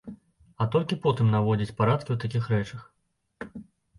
А толькі потым наводзіць парадкі ў такіх рэчах.